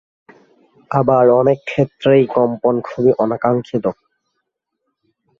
আবার অনেক ক্ষেত্রেই কম্পন খুবই অনাকাঙ্ক্ষিত।